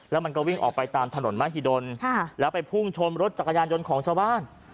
แล้วมันก็วิ่งออกไปตามถนนมหิดลแล้วไปพุ่งชนรถจักรยานยนต์ของชาวบ้าน